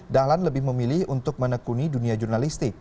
dahlan lebih memilih untuk menekuni dunia jurnalistik